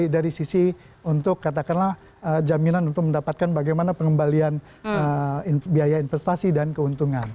dari sisi untuk katakanlah jaminan untuk mendapatkan bagaimana pengembalian biaya investasi dan keuntungan